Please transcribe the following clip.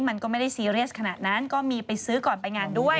มันก็ไม่ได้ซีเรียสขนาดนั้นก็มีไปซื้อก่อนไปงานด้วย